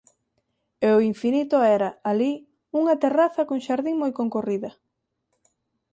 E o infinito era, alí, unha terraza con xardín moi concorrida.